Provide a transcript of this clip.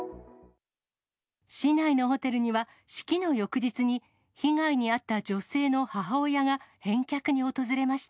市内のホテルには、式の翌日に、被害に遭った女性の母親が返却に訪れました。